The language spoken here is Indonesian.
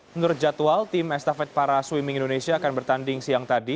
menurut jadwal tim estafet para swimming indonesia akan bertanding siang tadi